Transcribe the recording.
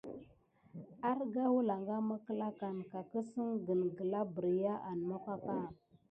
Arga wəlanga mekklakan ka kəssengen gla berya an moka.